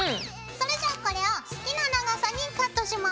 それじゃあこれを好きな長さにカットします。